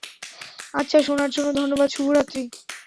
আচ্ছা, শোনার জন্য ধন্যবাদ, শুভরাত্রি।